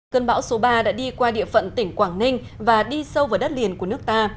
cơn bão số ba đã đi qua địa phận tỉnh quảng ninh và đi sâu vào đất liền của nước ta